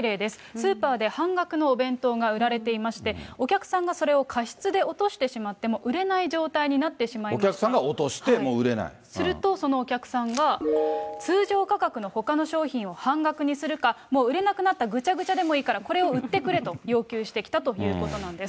スーパーで半額のお弁当が売られていまして、お客さんがそれを過失で落としてしまって、売れないお客さんが落として、もう売するとそのお客さんが、通常価格のほかの商品を半額にするか、もう売れなくなったぐちゃぐちゃでもいいからこれを売ってくれと要求してきたということなんです。